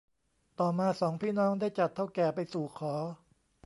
ต่อมาสองพี่น้องได้จัดเถ้าแก่ไปสู่ขอ